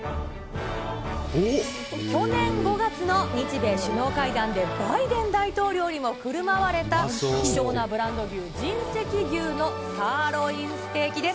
去年５月の日米首脳会談でバイデン大統領にもふるまわれた希少なブランド牛、神石牛のサーロインステーキです。